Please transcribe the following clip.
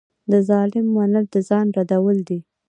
د ظالم منل د ځان ردول دي.